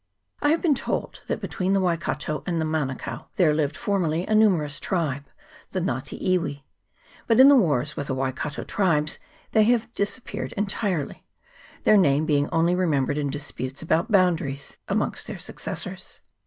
I have been told that between the Waikato and Manukao there lived formerly a numerous tribe the Nga te iwi ; but in the wars with the Waikato tribes they have disappeared entirely, their name being only remembered in disputes about boundaries amongst their successors.